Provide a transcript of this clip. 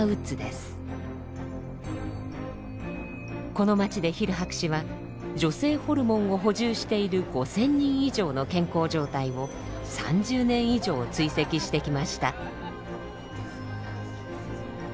この町でヒル博士は女性ホルモンを補充している５，０００人以上の健康状態を３０年以上追跡してきました。